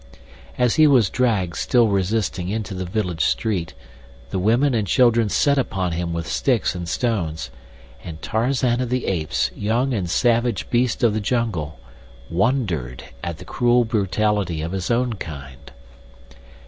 As he was dragged, still resisting, into the village street, the women and children set upon him with sticks and stones, and Tarzan of the Apes, young and savage beast of the jungle, wondered at the cruel brutality of his own kind.